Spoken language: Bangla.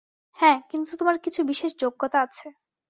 হ্যাঁ, কিন্তু তোমার কিছু বিশেষ যোগ্যতা আছে।